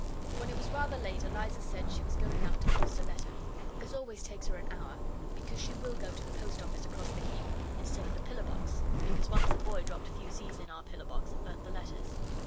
When it was rather late Eliza said she was going out to post a letter. This always takes her an hour, because she will go to the post office across the Heath instead of the pillar box, because once a boy dropped fusees in our pillar box and burnt the letters.